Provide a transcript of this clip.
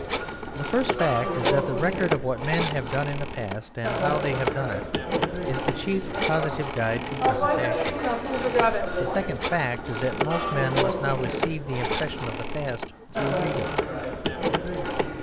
The first fact is that the record of what men have done in the past and how they have done it is the chief positive guide to present action. The second fact is that most men must now receive the impression of the past through reading.